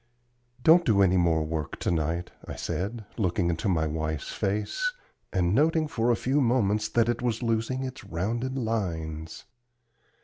"Don't do any more work to night," I said, looking into my wife's face, and noting for a few moments that it was losing its rounded lines.